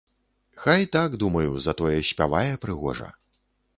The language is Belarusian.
Хай так, думаю, затое спявае прыгожа.